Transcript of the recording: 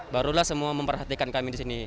barulah semua memperhatikan kami di sini